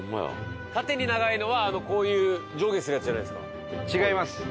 縦に長いのはこういう上下するやつじゃないですか？